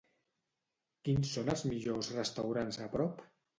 Quins són els millors restaurants a prop?